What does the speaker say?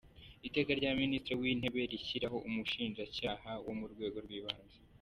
Iteka rya Minisitiri w’Intebe rishyiraho Umushinjacyaha wo ku Rwego rw’Ibanze:.